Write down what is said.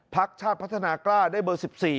พักชาติพัฒนากล้าได้เบอร์๑๔